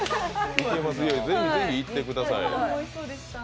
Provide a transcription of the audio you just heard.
ぜひぜひ行ってください。